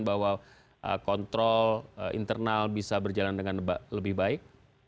bahwa kontrol internal bisa berjalan dengan lebih baik